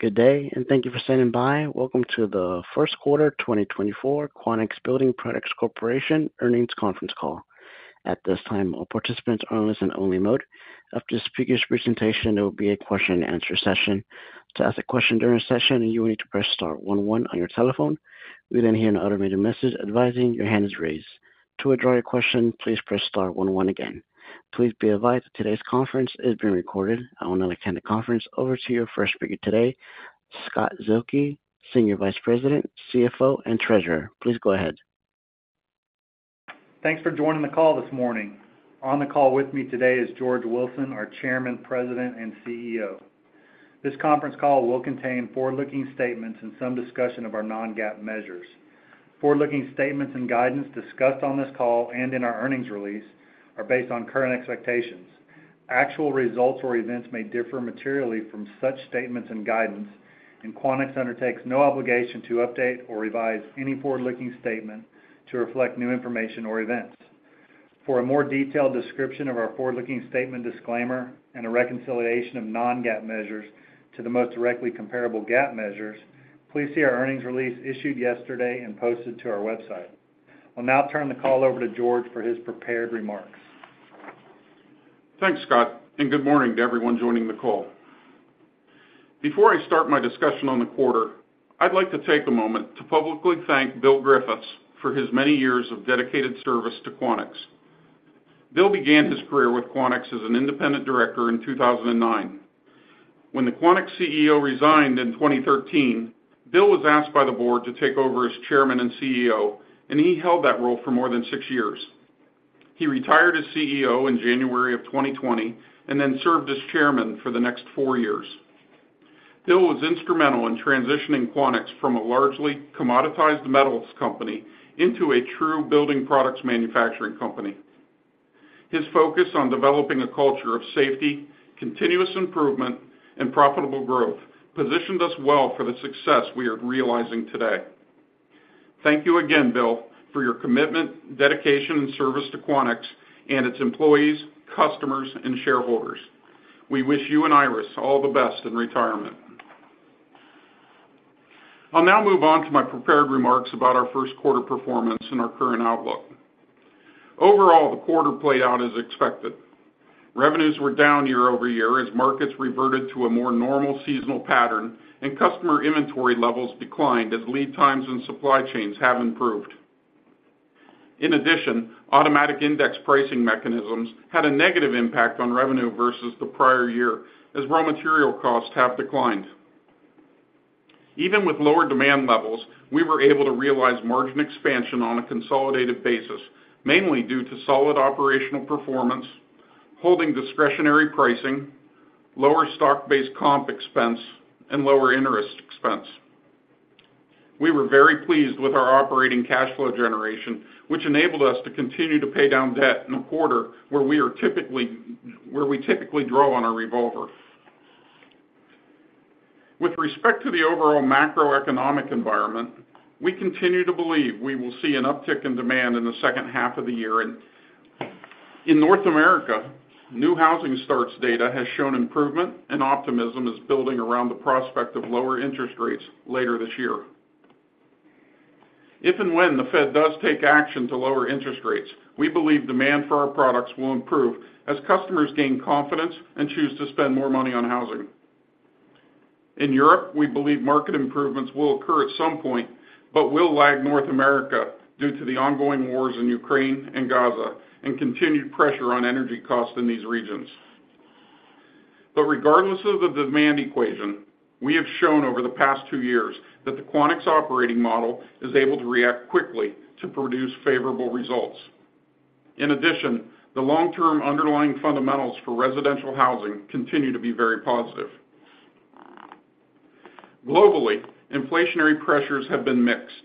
Good day, and thank you for standing by. Welcome to the first quarter 2024 Quanex Building Products Corporation earnings conference call. At this time, all participants are in listen-only mode. After the speaker's presentation, there will be a question-and-answer session. To ask a question during the session, you will need to press star 11 on your telephone. If you then hear an automated message advising your hand is raised. To withdraw your question, please press star 11 again. Please be advised that today's conference is being recorded. I will now turn the conference over to your first speaker today, Scott Zuehlke, Senior Vice President, CFO, and Treasurer. Please go ahead. Thanks for joining the call this morning. On the call with me today is George Wilson, our Chairman, President, and CEO. This conference call will contain forward-looking statements and some discussion of our non-GAAP measures. Forward-looking statements and guidance discussed on this call and in our earnings release are based on current expectations. Actual results or events may differ materially from such statements and guidance, and Quanex undertakes no obligation to update or revise any forward-looking statement to reflect new information or events. For a more detailed description of our forward-looking statement disclaimer and a reconciliation of non-GAAP measures to the most directly comparable GAAP measures, please see our earnings release issued yesterday and posted to our website. I'll now turn the call over to George for his prepared remarks. Thanks, Scott, and good morning to everyone joining the call. Before I start my discussion on the quarter, I'd like to take a moment to publicly thank Bill Griffiths for his many years of dedicated service to Quanex. Bill began his career with Quanex as an independent director in 2009. When the Quanex CEO resigned in 2013, Bill was asked by the board to take over as Chairman and CEO, and he held that role for more than six years. He retired as CEO in January of 2020 and then served as Chairman for the next four years. Bill was instrumental in transitioning Quanex from a largely commoditized metals company into a true building products manufacturing company. His focus on developing a culture of safety, continuous improvement, and profitable growth positioned us well for the success we are realizing today. Thank you again, Bill, for your commitment, dedication, and service to Quanex and its employees, customers, and shareholders. We wish you and Iris all the best in retirement. I'll now move on to my prepared remarks about our first quarter performance and our current outlook. Overall, the quarter played out as expected. Revenues were down year-over-year as markets reverted to a more normal seasonal pattern and customer inventory levels declined as lead times and supply chains have improved. In addition, automatic index pricing mechanisms had a negative impact on revenue versus the prior year as raw material costs have declined. Even with lower demand levels, we were able to realize margin expansion on a consolidated basis, mainly due to solid operational performance, holding discretionary pricing, lower stock-based comp expense, and lower interest expense. We were very pleased with our operating cash flow generation, which enabled us to continue to pay down debt in a quarter where we typically draw on our revolver. With respect to the overall macroeconomic environment, we continue to believe we will see an uptick in demand in the second half of the year. In North America, new housing starts data has shown improvement, and optimism is building around the prospect of lower interest rates later this year. If and when the Fed does take action to lower interest rates, we believe demand for our products will improve as customers gain confidence and choose to spend more money on housing. In Europe, we believe market improvements will occur at some point but will lag North America due to the ongoing wars in Ukraine and Gaza and continued pressure on energy costs in these regions. But regardless of the demand equation, we have shown over the past two years that the Quanex operating model is able to react quickly to produce favorable results. In addition, the long-term underlying fundamentals for residential housing continue to be very positive. Globally, inflationary pressures have been mixed.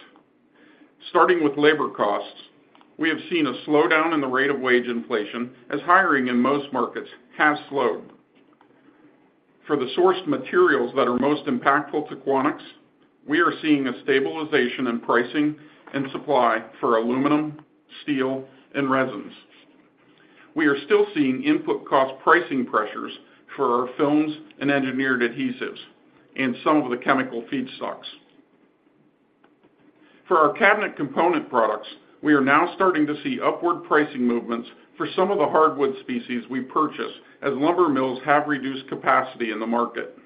Starting with labor costs, we have seen a slowdown in the rate of wage inflation as hiring in most markets has slowed. For the sourced materials that are most impactful to Quanex, we are seeing a stabilization in pricing and supply for aluminum, steel, and resins. We are still seeing input cost pricing pressures for our films and engineered adhesives and some of the chemical feedstocks. For our cabinet component products, we are now starting to see upward pricing movements for some of the hardwood species we purchase as lumber mills have reduced capacity in the market.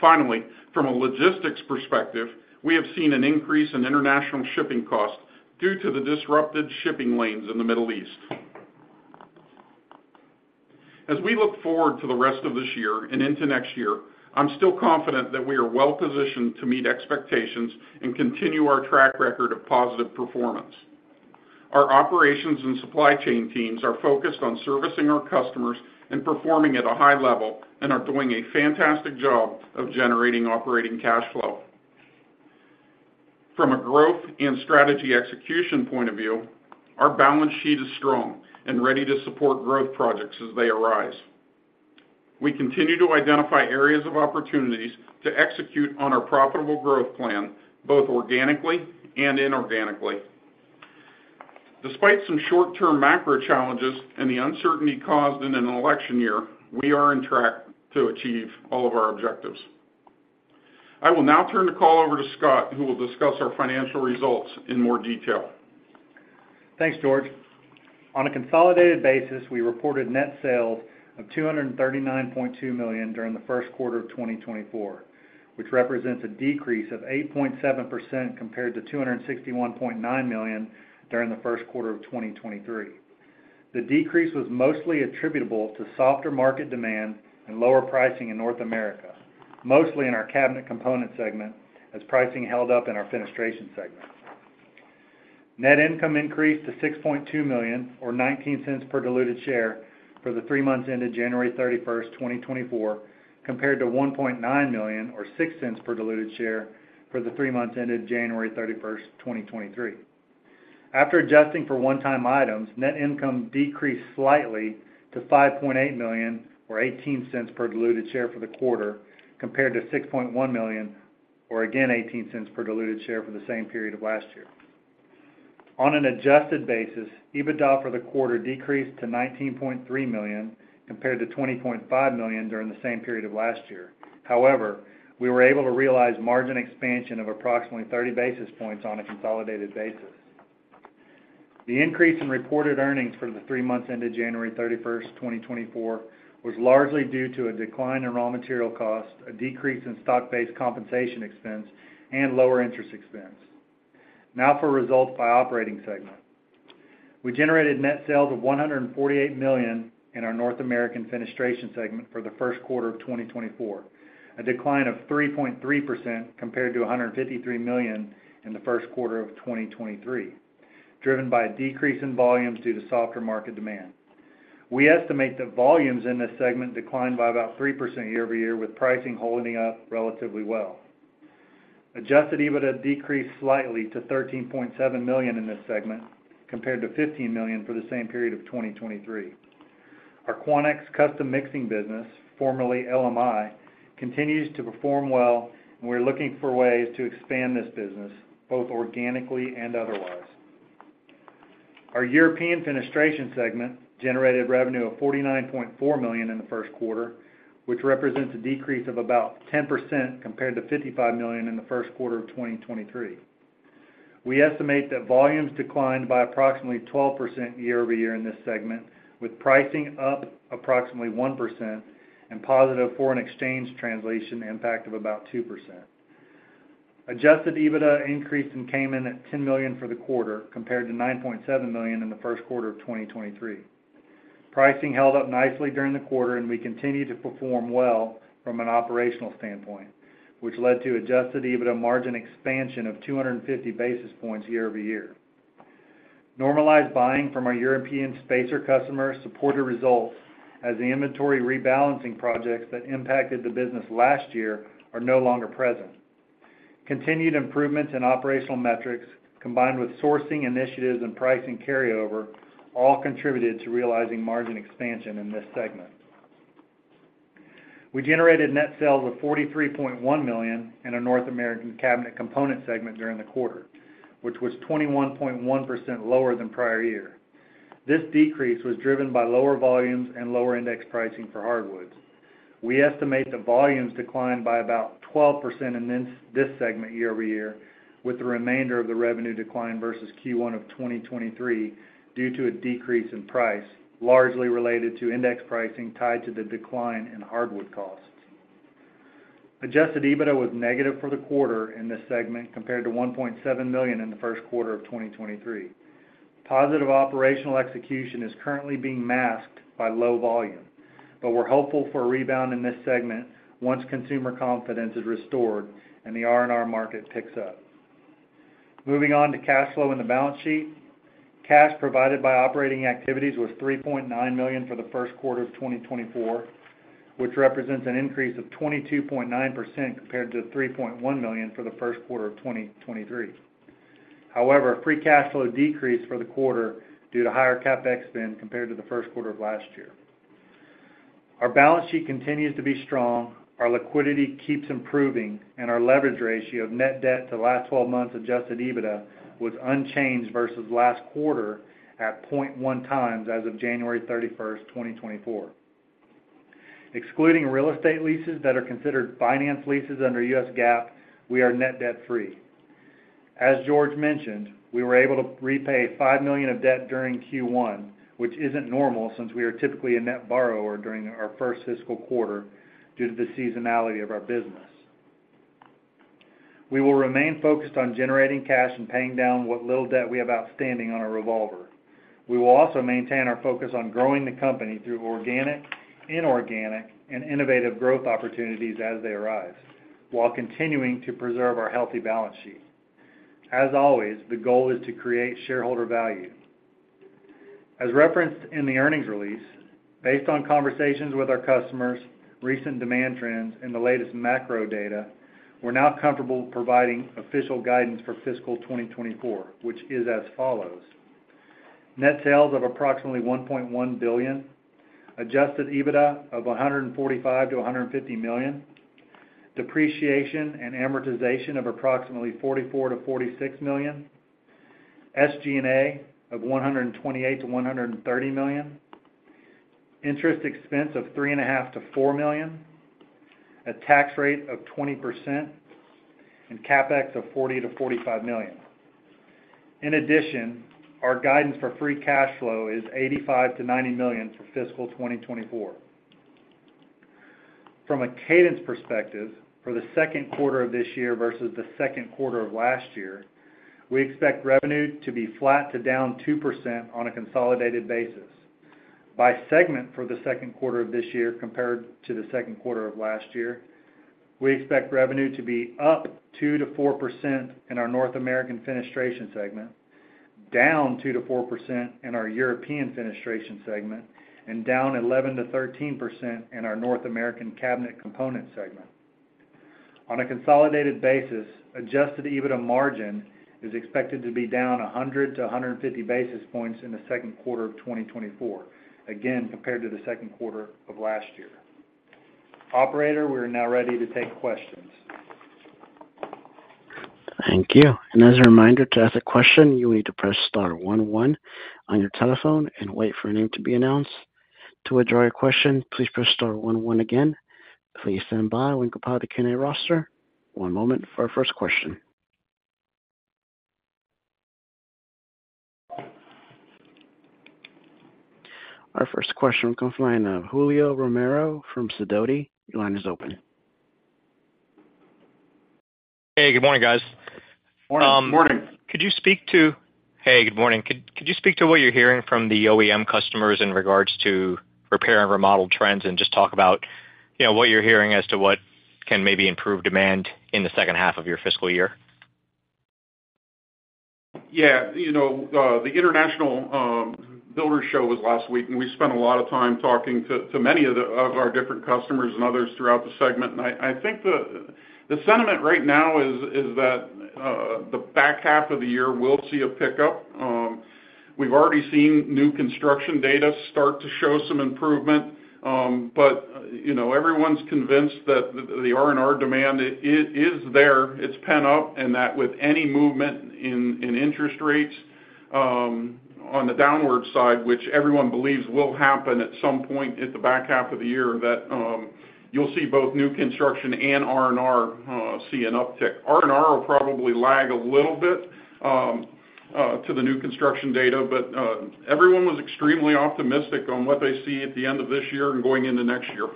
Finally, from a logistics perspective, we have seen an increase in international shipping costs due to the disrupted shipping lanes in the Middle East. As we look forward to the rest of this year and into next year, I'm still confident that we are well positioned to meet expectations and continue our track record of positive performance. Our operations and supply chain teams are focused on servicing our customers and performing at a high level and are doing a fantastic job of generating operating cash flow. From a growth and strategy execution point of view, our balance sheet is strong and ready to support growth projects as they arise. We continue to identify areas of opportunities to execute on our profitable growth plan, both organically and inorganically. Despite some short-term macro challenges and the uncertainty caused in an election year, we are on track to achieve all of our objectives. I will now turn the call over to Scott, who will discuss our financial results in more detail. Thanks, George. On a consolidated basis, we reported net sales of $239.2 million during the first quarter of 2024, which represents a decrease of 8.7% compared to $261.9 million during the first quarter of 2023. The decrease was mostly attributable to softer market demand and lower pricing in North America, mostly in our cabinet component segment as pricing held up in our fenestration segment. Net income increased to $6.2 million, or $0.19 per diluted share, for the three months ended January 31, 2024, compared to $1.9 million, or $0.06 per diluted share, for the three months ended January 31, 2023. After adjusting for one-time items, net income decreased slightly to $5.8 million, or $0.18 per diluted share, for the quarter compared to $6.1 million, or again $0.18 per diluted share, for the same period of last year. On an adjusted basis, EBITDA for the quarter decreased to $19.3 million compared to $20.5 million during the same period of last year. However, we were able to realize margin expansion of approximately 30 basis points on a consolidated basis. The increase in reported earnings for the three months ended January 31, 2024, was largely due to a decline in raw material costs, a decrease in stock-based compensation expense, and lower interest expense. Now for results by operating segment. We generated net sales of $148 million in our North American fenestration segment for the first quarter of 2024, a decline of 3.3% compared to $153 million in the first quarter of 2023, driven by a decrease in volumes due to softer market demand. We estimate that volumes in this segment declined by about 3% year-over-year, with pricing holding up relatively well. Adjusted EBITDA decreased slightly to $13.7 million in this segment compared to $15 million for the same period of 2023. Our Quanex Custom Mixing business, formerly LMI, continues to perform well, and we're looking for ways to expand this business both organically and otherwise. Our European fenestration segment generated revenue of $49.4 million in the first quarter, which represents a decrease of about 10% compared to $55 million in the first quarter of 2023. We estimate that volumes declined by approximately 12% year-over-year in this segment, with pricing up approximately 1% and positive foreign exchange translation impact of about 2%. Adjusted EBITDA increased and came in at $10 million for the quarter compared to $9.7 million in the first quarter of 2023. Pricing held up nicely during the quarter, and we continue to perform well from an operational standpoint, which led to adjusted EBITDA margin expansion of 250 basis points year-over-year. Normalized buying from our European spacer customers supported results as the inventory rebalancing projects that impacted the business last year are no longer present. Continued improvements in operational metrics, combined with sourcing initiatives and pricing carryover, all contributed to realizing margin expansion in this segment. We generated net sales of $43.1 million in our North American cabinet component segment during the quarter, which was 21.1% lower than prior year. This decrease was driven by lower volumes and lower index pricing for hardwoods. We estimate the volumes declined by about 12% in this segment year over year, with the remainder of the revenue declined versus Q1 of 2023 due to a decrease in price, largely related to index pricing tied to the decline in hardwood costs. Adjusted EBITDA was negative for the quarter in this segment compared to $1.7 million in the first quarter of 2023. Positive operational execution is currently being masked by low volume, but we're hopeful for a rebound in this segment once consumer confidence is restored and the R&R market picks up. Moving on to cash flow in the balance sheet, cash provided by operating activities was $3.9 million for the first quarter of 2024, which represents an increase of 22.9% compared to $3.1 million for the first quarter of 2023. However, free cash flow decreased for the quarter due to higher CapEx spend compared to the first quarter of last year. Our balance sheet continues to be strong, our liquidity keeps improving, and our leverage ratio of net debt to last 12 months Adjusted EBITDA was unchanged versus last quarter at 0.1 times as of January 31, 2024. Excluding real estate leases that are considered finance leases under U.S. GAAP, we are net debt free. As George mentioned, we were able to repay $5 million of debt during Q1, which isn't normal since we are typically a net borrower during our first fiscal quarter due to the seasonality of our business. We will remain focused on generating cash and paying down what little debt we have outstanding on our revolver. We will also maintain our focus on growing the company through organic, inorganic, and innovative growth opportunities as they arise, while continuing to preserve our healthy balance sheet. As always, the goal is to create shareholder value. As referenced in the earnings release, based on conversations with our customers, recent demand trends, and the latest macro data, we're now comfortable providing official guidance for fiscal 2024, which is as follows: net sales of approximately $1.1 billion, Adjusted EBITDA of $145 million-$150 million, depreciation and amortization of approximately $44 million-$46 million, SG&A of $128 million-$130 million, interest expense of $3.5 million-$4 million, a tax rate of 20%, and CapEx of $40 million-$45 million. In addition, our guidance for Free Cash Flow is $85 million-$90 million for fiscal 2024. From a cadence perspective, for the second quarter of this year versus the second quarter of last year, we expect revenue to be flat to down 2% on a consolidated basis. By segment for the second quarter of this year compared to the second quarter of last year, we expect revenue to be up 2%-4% in our North American fenestration segment, down 2%-4% in our European fenestration segment, and down 11%-13% in our North American cabinet component segment. On a consolidated basis, Adjusted EBITDA margin is expected to be down 100-150 basis points in the second quarter of 2024, again compared to the second quarter of last year. Operator, we are now ready to take questions. Thank you. As a reminder, to ask a question, you will need to press star 11 on your telephone and wait for a name to be announced. To withdraw your question, please press star 11 again. Please stand by. We can compile the Q&A roster. One moment for our first question. Our first question will come from a line of Julio Romero from Sidoti. Your line is open. Hey. Good morning, guys. Morning. Morning. Good morning. Could you speak to what you're hearing from the OEM customers in regards to repair and remodel trends and just talk about what you're hearing as to what can maybe improve demand in the second half of your fiscal year? Yeah. The International Builders Show was last week, and we spent a lot of time talking to many of our different customers and others throughout the segment. And I think the sentiment right now is that the back half of the year we'll see a pickup. We've already seen new construction data start to show some improvement, but everyone's convinced that the R&R demand is there. It's pent up, and that with any movement in interest rates on the downward side, which everyone believes will happen at some point at the back half of the year, that you'll see both new construction and R&R see an uptick. R&R will probably lag a little bit to the new construction data, but everyone was extremely optimistic on what they see at the end of this year and going into next year.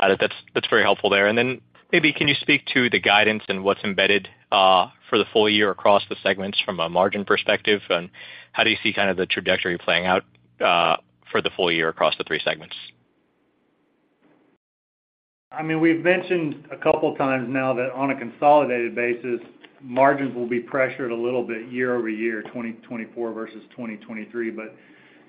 Got it. That's very helpful there. And then maybe can you speak to the guidance and what's embedded for the full year across the segments from a margin perspective, and how do you see kind of the trajectory playing out for the full year across the three segments? I mean, we've mentioned a couple of times now that on a consolidated basis, margins will be pressured a little bit year over year, 2024 versus 2023. But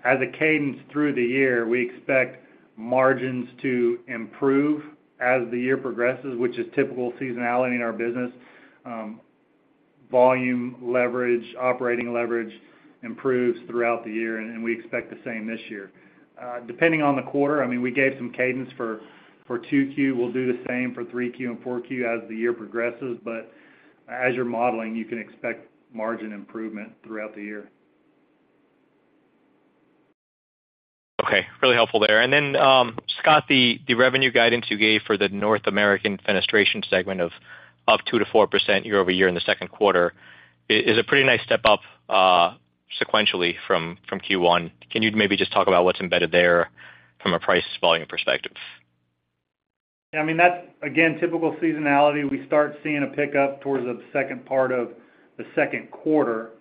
as a cadence through the year, we expect margins to improve as the year progresses, which is typical seasonality in our business. Volume leverage, operating leverage improves throughout the year, and we expect the same this year. Depending on the quarter, I mean, we gave some cadence for 2Q. We'll do the same for 3Q and 4Q as the year progresses. But as you're modeling, you can expect margin improvement throughout the year. Okay. Really helpful there. And then, Scott, the revenue guidance you gave for the North American fenestration segment of 2%-4% year-over-year in the second quarter is a pretty nice step up sequentially from Q1. Can you maybe just talk about what's embedded there from a price volume perspective? Yeah. I mean, that's, again, typical seasonality. We start seeing a pickup towards the second part of the second quarter.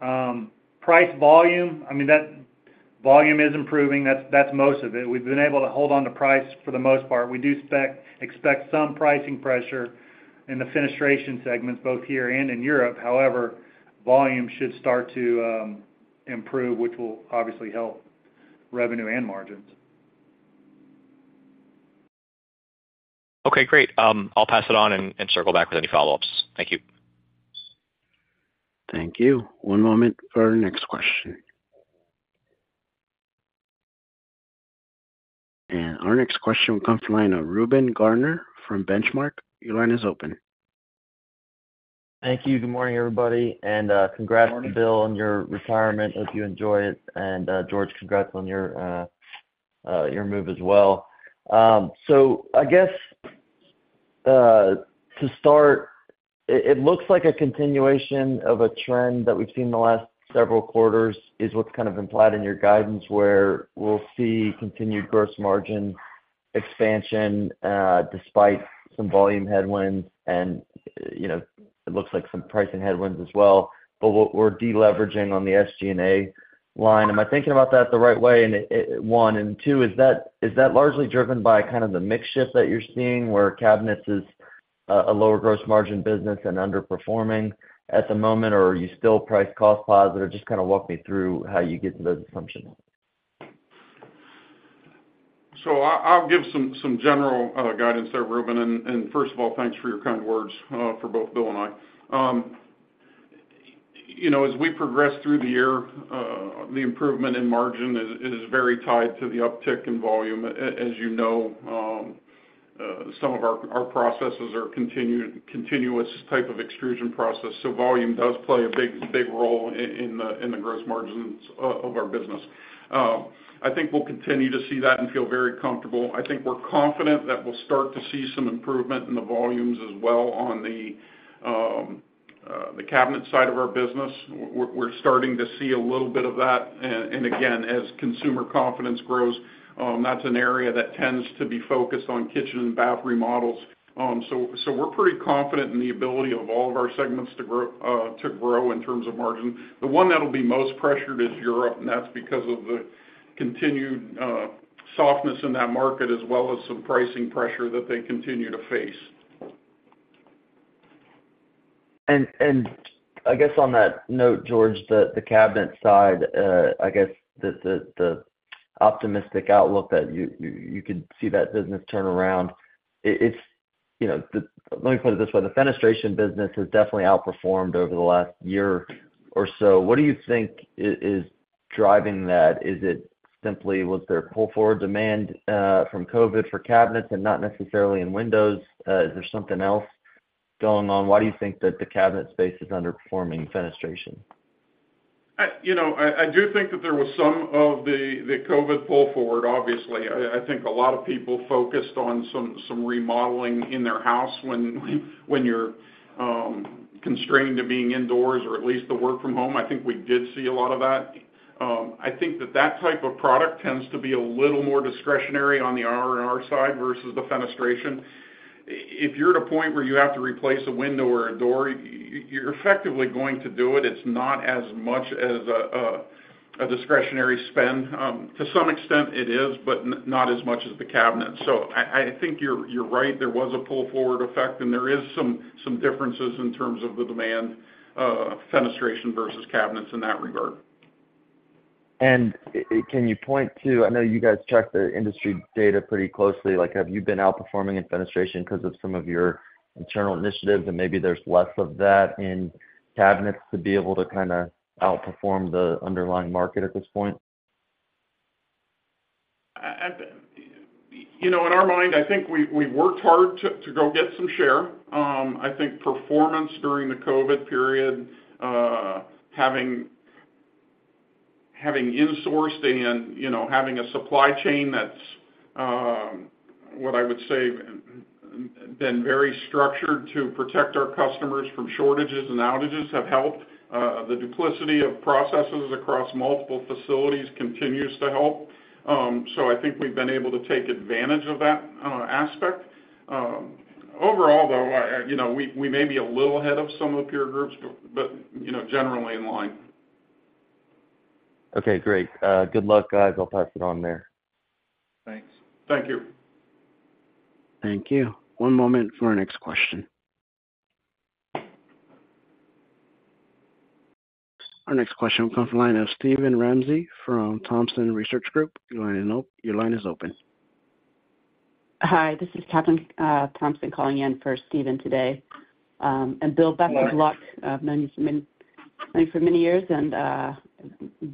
Price volume, I mean, that volume is improving. That's most of it. We've been able to hold on to price for the most part. We do expect some pricing pressure in the fenestration segments both here and in Europe. However, volume should start to improve, which will obviously help revenue and margins. Okay. Great. I'll pass it on and circle back with any follow-ups. Thank you. Thank you. One moment for our next question. Our next question will come from a line of Reuben Garner from Benchmark. Your line is open. Thank you. Good morning, everybody. Congrats, Bill, on your retirement. Hope you enjoy it. George, congrats on your move as well. I guess to start, it looks like a continuation of a trend that we've seen the last several quarters is what's kind of implied in your guidance, where we'll see continued gross margin expansion despite some volume headwinds, and it looks like some pricing headwinds as well. What we're deleveraging on the SG&A line, am I thinking about that the right way? One, and two, is that largely driven by kind of the mix shift that you're seeing, where cabinets is a lower gross margin business and underperforming at the moment, or are you still price-cost positive? Just kind of walk me through how you get to those assumptions. So I'll give some general guidance there, Reuben. And first of all, thanks for your kind words for both Bill and I. As we progress through the year, the improvement in margin is very tied to the uptick in volume. As you know, some of our processes are continuous type of extrusion process, so volume does play a big role in the gross margins of our business. I think we'll continue to see that and feel very comfortable. I think we're confident that we'll start to see some improvement in the volumes as well on the cabinet side of our business. We're starting to see a little bit of that. And again, as consumer confidence grows, that's an area that tends to be focused on kitchen and bath remodels. So we're pretty confident in the ability of all of our segments to grow in terms of margin. The one that'll be most pressured is Europe, and that's because of the continued softness in that market as well as some pricing pressure that they continue to face. And I guess on that note, George, the cabinet side, I guess the optimistic outlook that you could see that business turn around, it's, let me put it this way. The fenestration business has definitely outperformed over the last year or so. What do you think is driving that? Is it simply was there a pull forward demand from COVID for cabinets and not necessarily in windows? Is there something else going on? Why do you think that the cabinet space is underperforming fenestration? I do think that there was some of the COVID pull forward, obviously. I think a lot of people focused on some remodeling in their house when you're constrained to being indoors or at least the work from home. I think we did see a lot of that. I think that that type of product tends to be a little more discretionary on the R&R side versus the fenestration. If you're at a point where you have to replace a window or a door, you're effectively going to do it. It's not as much as a discretionary spend. To some extent, it is, but not as much as the cabinets. So I think you're right. There was a pull forward effect, and there is some differences in terms of the demand fenestration versus cabinets in that regard. Can you point to—I know you guys check the industry data pretty closely. Have you been outperforming in fenestration because of some of your internal initiatives, and maybe there's less of that in cabinets to be able to kind of outperform the underlying market at this point? In our mind, I think we worked hard to go get some share. I think performance during the COVID period, having insourced and having a supply chain that's, what I would say, been very structured to protect our customers from shortages and outages have helped. The duplication of processes across multiple facilities continues to help. So I think we've been able to take advantage of that aspect. Overall, though, we may be a little ahead of some of the peer groups, but generally in line. Okay. Great. Good luck, guys. I'll pass it on there. Thanks. Thank you. Thank you. One moment for our next question. Our next question will come from a line of Steven Ramsey from Thompson Research Group. Your line is open. Hi. This is Kathleen Thompson calling in for Stephen today. Bill, best of luck. I've known you for many years, and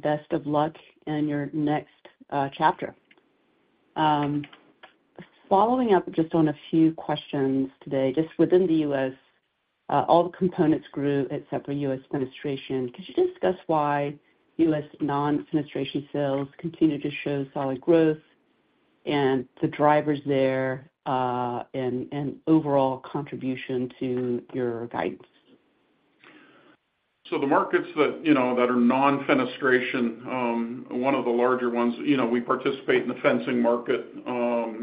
best of luck in your next chapter. Following up just on a few questions today, just within the U.S., all the components grew except for U.S. fenestration. Could you discuss why U.S. non-fenestration sales continue to show solid growth and the drivers there and overall contribution to your guidance? So the markets that are non-fenestration, one of the larger ones, we participate in the fencing market.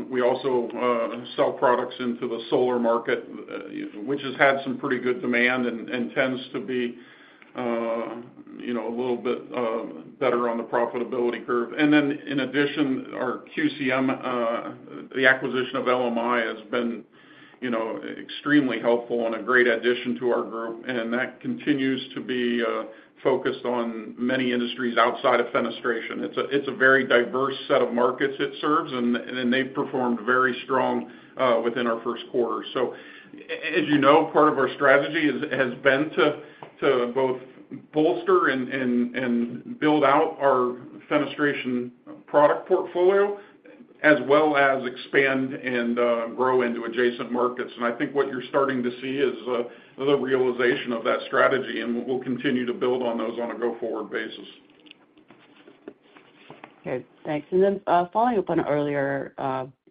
We also sell products into the solar market, which has had some pretty good demand and tends to be a little bit better on the profitability curve. And then in addition, our QCM, the acquisition of LMI, has been extremely helpful and a great addition to our group. And that continues to be focused on many industries outside of fenestration. It's a very diverse set of markets it serves, and they performed very strong within our first quarter. So as you know, part of our strategy has been to both bolster and build out our fenestration product portfolio as well as expand and grow into adjacent markets. And I think what you're starting to see is the realization of that strategy, and we'll continue to build on those on a go-forward basis. Good. Thanks. And then following up on an earlier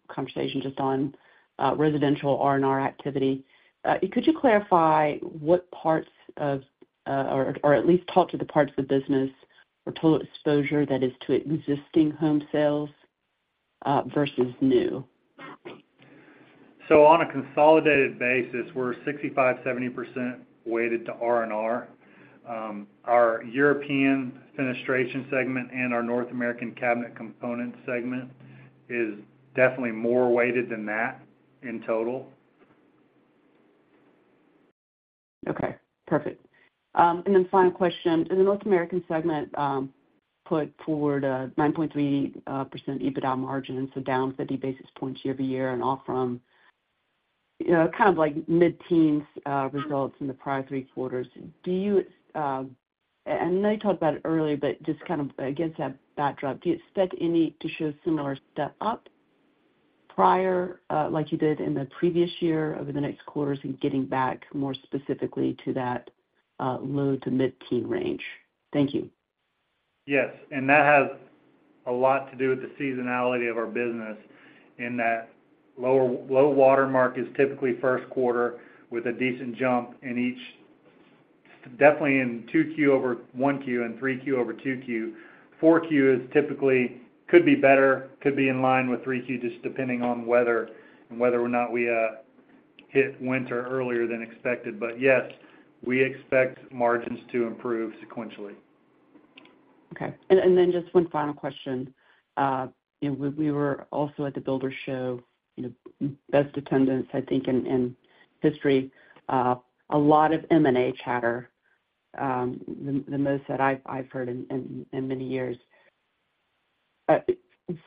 conversation just on residential R&R activity, could you clarify what parts of or at least talk to the parts of the business or total exposure that is to existing home sales versus new? On a consolidated basis, we're 65%-70% weighted to R&R. Our European fenestration segment and our North American cabinet component segment is definitely more weighted than that in total. Okay. Perfect. And then final question. In the North American segment, put forward a 9.3% EBITDA margin, so down 50 basis points year-over-year and off from kind of mid-teens results in the prior three quarters. And I know you talked about it earlier, but just kind of against that backdrop, do you expect any to show similar step up prior like you did in the previous year over the next quarters and getting back more specifically to that low- to mid-teen range? Thank you. Yes. And that has a lot to do with the seasonality of our business in that low watermark is typically first quarter with a decent jump in each, definitely in 2Q over 1Q and 3Q over 2Q. 4Q could be better, could be in line with 3Q just depending on weather and whether or not we hit winter earlier than expected. But yes, we expect margins to improve sequentially. Okay. And then just one final question. We were also at the Builder Show, best attendance, I think, in history. A lot of M&A chatter, the most that I've heard in many years.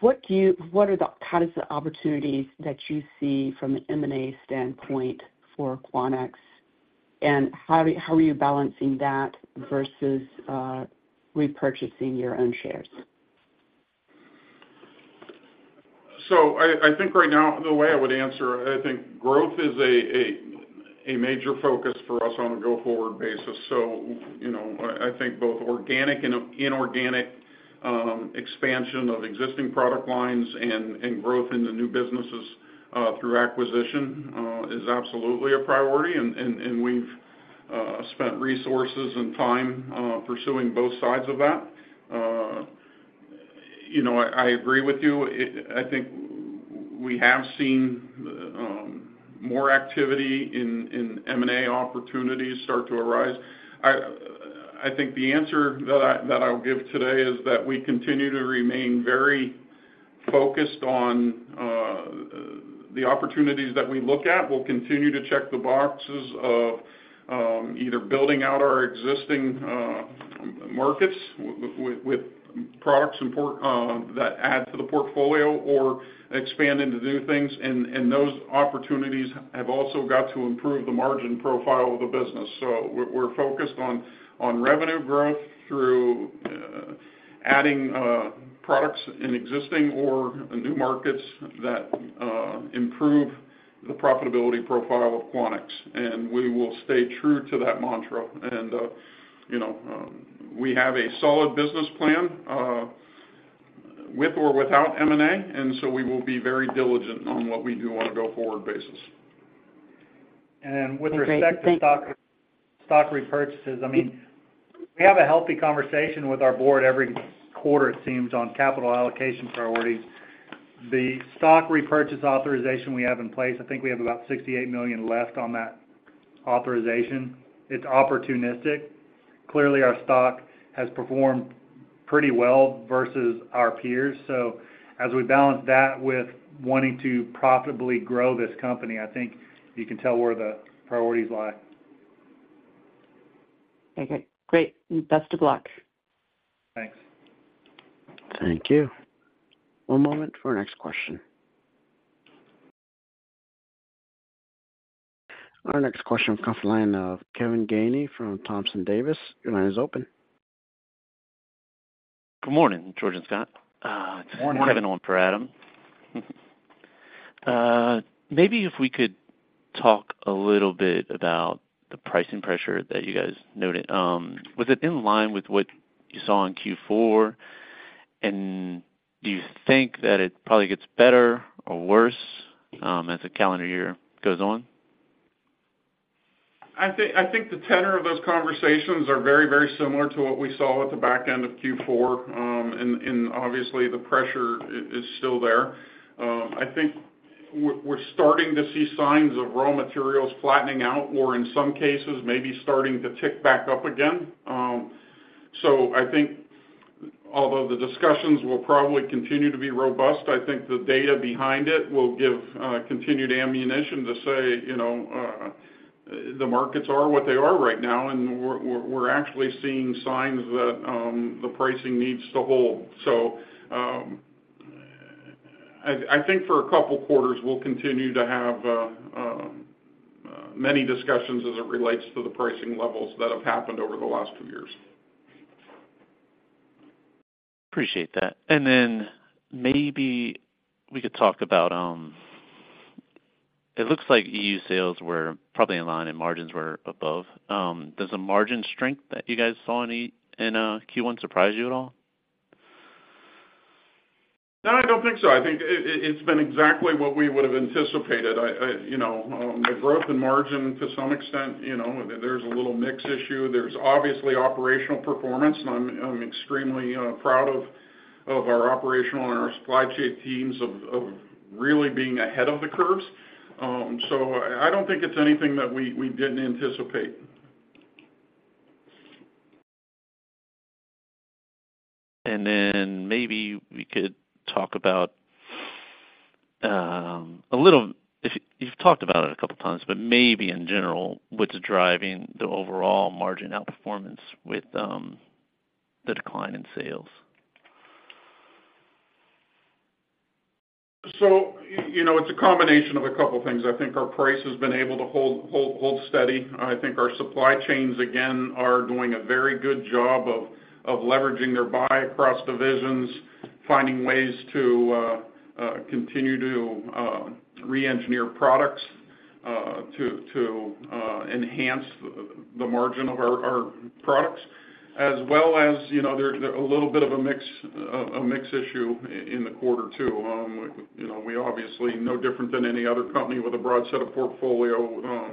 What are the how does the opportunities that you see from an M&A standpoint for Quanex, and how are you balancing that versus repurchasing your own shares? So I think right now, the way I would answer, I think growth is a major focus for us on a go-forward basis. I think both organic and inorganic expansion of existing product lines and growth in the new businesses through acquisition is absolutely a priority. We've spent resources and time pursuing both sides of that. I agree with you. I think we have seen more activity in M&A opportunities start to arise. I think the answer that I'll give today is that we continue to remain very focused on the opportunities that we look at. We'll continue to check the boxes of either building out our existing markets with products that add to the portfolio or expand into new things. Those opportunities have also got to improve the margin profile of the business. We're focused on revenue growth through adding products in existing or new markets that improve the profitability profile of Quanex. We will stay true to that mantra. We have a solid business plan with or without M&A, and so we will be very diligent on what we do on a go-forward basis. And then with respect to stock repurchases, I mean, we have a healthy conversation with our board every quarter, it seems, on capital allocation priorities. The stock repurchase authorization we have in place, I think we have about $68 million left on that authorization. It's opportunistic. Clearly, our stock has performed pretty well versus our peers. So as we balance that with wanting to profitably grow this company, I think you can tell where the priorities lie. Okay. Great. Best of luck. Thanks. Thank you. One moment for our next question. Our next question will come from a line of Kevin Gainey from Thompson Davis. Your line is open. Good morning, George and Scott. Kevin Owen Peradam. Maybe if we could talk a little bit about the pricing pressure that you guys noted. Was it in line with what you saw in Q4? And do you think that it probably gets better or worse as the calendar year goes on? I think the tenor of those conversations are very, very similar to what we saw at the back end of Q4. And obviously, the pressure is still there. I think we're starting to see signs of raw materials flattening out or, in some cases, maybe starting to tick back up again. So I think although the discussions will probably continue to be robust, I think the data behind it will give continued ammunition to say the markets are what they are right now, and we're actually seeing signs that the pricing needs to hold. So I think for a couple of quarters, we'll continue to have many discussions as it relates to the pricing levels that have happened over the last two years. Appreciate that. And then maybe we could talk about it. It looks like EU sales were probably in line and margins were above. Does the margin strength that you guys saw in Q1 surprise you at all? No, I don't think so. I think it's been exactly what we would have anticipated. The growth in margin, to some extent, there's a little mix issue. There's obviously operational performance, and I'm extremely proud of our operational and our supply chain teams of really being ahead of the curves. So I don't think it's anything that we didn't anticipate. Then maybe we could talk about a little you've talked about it a couple of times, but maybe in general, what's driving the overall margin outperformance with the decline in sales? So it's a combination of a couple of things. I think our price has been able to hold steady. I think our supply chains, again, are doing a very good job of leveraging their buy across divisions, finding ways to continue to re-engineer products to enhance the margin of our products, as well as they're a little bit of a mix issue in the quarter too. We obviously, no different than any other company with a broad set of portfolio,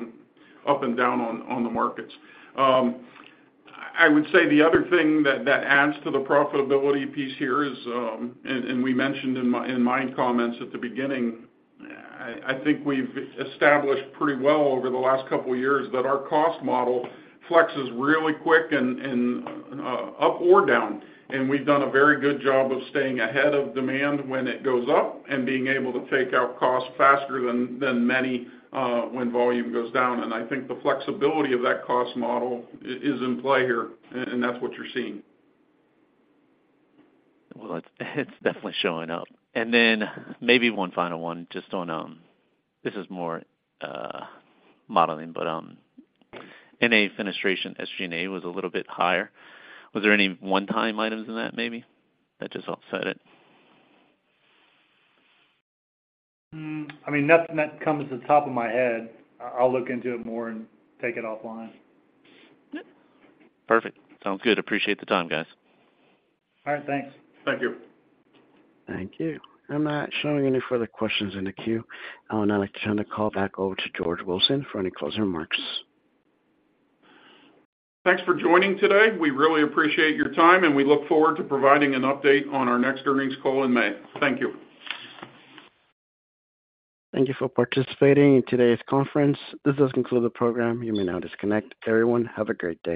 up and down on the markets. I would say the other thing that adds to the profitability piece here is, and we mentioned in my comments at the beginning, I think we've established pretty well over the last couple of years that our cost model flexes really quick and up or down. We've done a very good job of staying ahead of demand when it goes up and being able to take out cost faster than many when volume goes down. I think the flexibility of that cost model is in play here, and that's what you're seeing. Well, it's definitely showing up. And then maybe one final one just on this is more modeling, but NA fenestration, SG&A was a little bit higher. Was there any one-time items in that maybe that just offset it? I mean, nothing that comes to the top of my head. I'll look into it more and take it offline. Perfect. Sounds good. Appreciate the time, guys. All right. Thanks. Thank you. Thank you. I'm not showing any further questions in the queue. I'll now turn the call back over to George Wilson for any closing remarks. Thanks for joining today. We really appreciate your time, and we look forward to providing an update on our next earnings call in May. Thank you. Thank you for participating in today's conference. This does conclude the program. You may now disconnect. Everyone, have a great day.